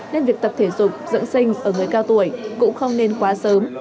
nên việc tập thể dục dưỡng sinh ở người cao tuổi cũng không nên quá sớm